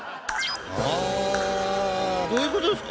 どういうことですか？